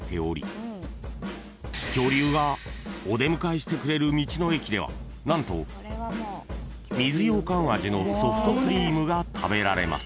［してくれる道の駅では何と水ようかん味のソフトクリームが食べられます］